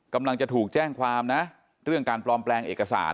กำลังจะถูกแจ้งความนะเรื่องการปลอมแปลงเอกสาร